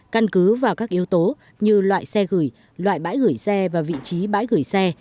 căn cứ vào các yếu tố như loại xe gửi loại bãi gửi xe và vị trí bãi gửi xe